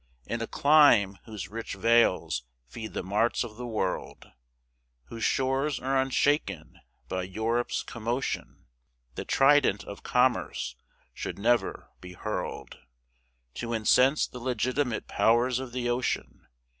In a clime, whose rich vales feed the marts of the world, Whose shores are unshaken by Europe's commotion, The trident of commerce should never be hurl'd, To incense the legitimate powers of the ocean.